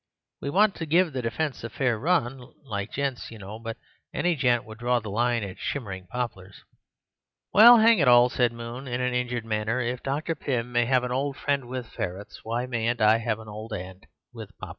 "We want to give the defence a fair run—like gents, you know; but any gent would draw the line at shimmering poplars." "Well, hang it all," said Moon, in an injured manner, "if Dr. Pym may have an old friend with ferrets, why mayn't I have an old aunt with poplars?"